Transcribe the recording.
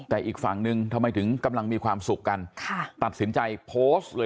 แต่อีกฝั่งหนึ่งทำไมถึงกำลังมีความสุขกันค่ะตัดสินใจโพสต์เลย